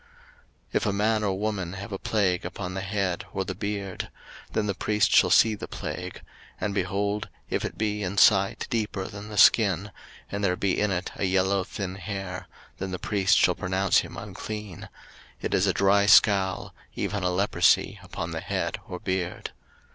03:013:029 If a man or woman have a plague upon the head or the beard; 03:013:030 Then the priest shall see the plague: and, behold, if it be in sight deeper than the skin; and there be in it a yellow thin hair; then the priest shall pronounce him unclean: it is a dry scall, even a leprosy upon the head or beard.